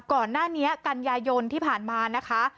ก่อนหน้านี้กันยายนที่ผ่านมานะคะ